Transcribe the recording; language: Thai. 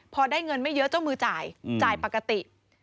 พอได้เงินไม่เยอะเจ้ามือจ่ายจ่ายปกติ